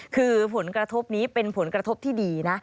คือผลกระทบนี้เป็นผลกระทบที่ดีนะ